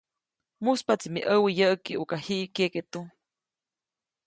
Mujspaʼtsi mi ʼäwä yäʼki ʼuka jiʼ kyeke tu.